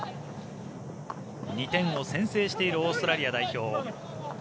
２点を先制しているオーストラリア代表。